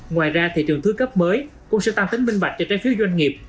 ngoài ra thị trường thứ cấp mới cũng sẽ tăng tính minh bạch cho trái phiếu doanh nghiệp